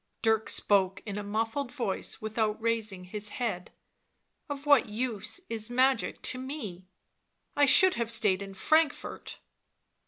Dirk spoke in a muffled voice, without raising his head. " Of what use magic to me ? I should have stayed in Frankfort."